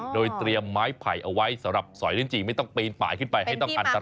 โดยเตรียมไม้ไผ่เอาไว้สำหรับสอยลิ้นจี่ไม่ต้องปีนป่ายขึ้นไปให้ต้องอันตราย